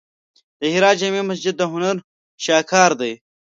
د هرات جامع مسجد د هنر شاهکار دی.